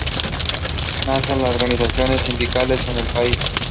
Nacen las organizaciones sindicales en el país.